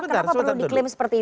kenapa perlu diklaim seperti itu